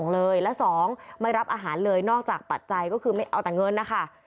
เลยและ๒ไม่รับอาหารเลยนอกจากปัจจัยก็คือไม่เอาแต่เงินนะคะ